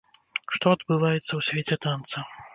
Што адбываецца ў свеце танца?